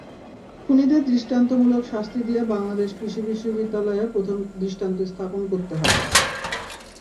খুনিদের দৃষ্টান্তমূলক শাস্তি দিয়ে বাংলাদেশ কৃষি বিশ্ববিদ্যালয়ে প্রথম দৃষ্টান্ত স্থাপন করতে হবে।